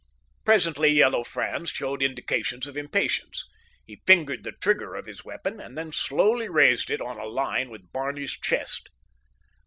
Presently Yellow Franz showed indications of impatience. He fingered the trigger of his weapon, and then slowly raised it on a line with Barney's chest.